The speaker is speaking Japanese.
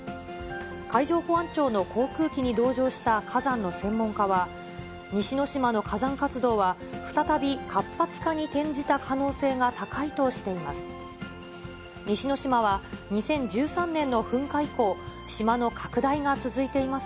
海上保安庁の航空機に同乗した火山の専門家は、西之島の火山活動は、再び活発化に転じた可能性が高いとしています。